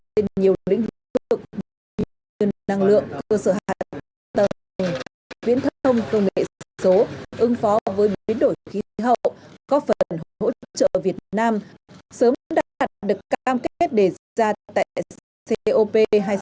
trên nhiều lĩnh vực năng lượng cơ sở hạt tầng viễn thông công nghệ số ứng phó với biến đổi khí hậu có phần hỗ trợ việt nam sớm đạt được cam kết để diễn ra tại cop hai mươi sáu